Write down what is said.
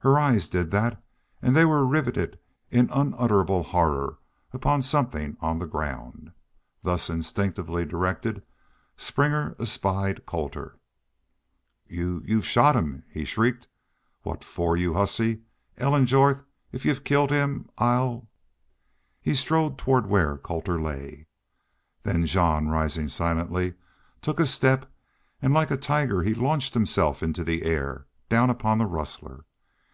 Her eyes did that and they were riveted in unutterable horror upon something on the ground. Thus instinctively directed, Springer espied Colter. "Y'u y'u shot him!" he shrieked. "What for y'u hussy? ... Ellen Jorth, if y'u've killed him, I'll..." He strode toward where Colter lay. Then Jean, rising silently, took a step and like a tiger he launched himself into the air, down upon the rustler.